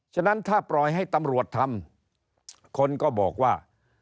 ฉะนั้นถ้าปล่อยให้ตำรวจทำคนก็บอกว่า